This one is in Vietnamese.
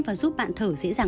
và giúp bạn thở dễ dàng hơn